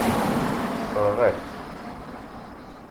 Tessṛeɣ-ak-tt.